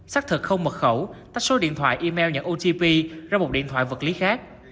xác thực không mật khẩu tách số điện thoại email nhận otp ra một điện thoại vật lý khác